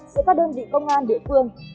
cho các đơn vị công an địa phương